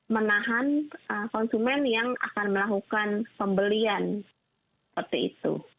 menahan konsumen yang akan melakukan pembelian seperti itu